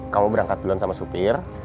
kalau berangkat duluan sama supir